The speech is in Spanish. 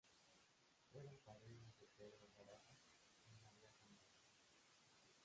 Fueron padrinos Pedro Jaraba y María Sandoval.